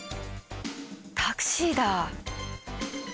タクシーだ！